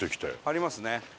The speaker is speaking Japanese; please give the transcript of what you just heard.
ありますね。